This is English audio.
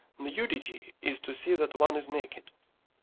Nudity is to see that one is naked.